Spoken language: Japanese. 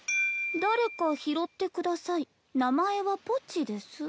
「だれかひろってください名前はポチです」